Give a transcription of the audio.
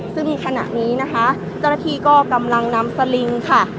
ซึ่งขณะนี้นะคะเจ้าหน้าที่ก็กำลังนำสลิงค่ะ